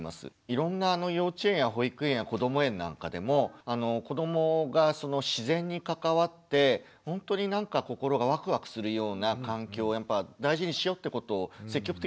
いろんな幼稚園や保育園やこども園なんかでも子どもがその自然に関わって本当になんか心がワクワクするような環境をやっぱ大事にしようってことを積極的にやっています。